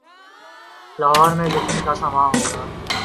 لاہور میں جشن کا سماں ہو گا۔